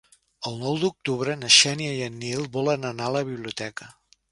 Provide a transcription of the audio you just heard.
El nou d'octubre na Xènia i en Nil volen anar a la biblioteca.